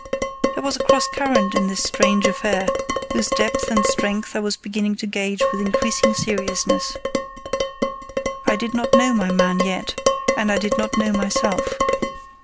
There was a cross current in this strange affair, whose depth and strength I was beginning to gauge with increasing seriousness. I did not know my man yet, and I did not know myself.